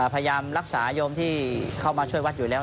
พยายามรักษาโยมที่เข้ามาช่วยวัดอยู่แล้ว